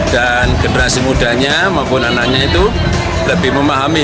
dan generasi mudanya maupun anaknya itu lebih memahami